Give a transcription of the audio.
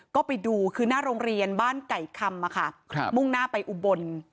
ก็ไปดูคือหน้าโรงเรียนบ้านไก่คำมุ่งหน้าไปอุบล